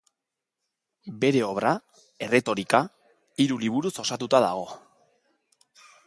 Bere obra, erretorika, hiru liburuz osatuta dago.